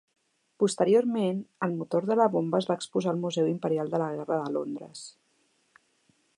Posteriorment, el motor de la bomba es va exposar al Museu Imperial de la Guerra de Londres.